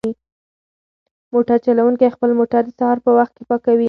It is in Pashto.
موټر چلونکی خپل موټر د سهار په وخت کې پاکوي.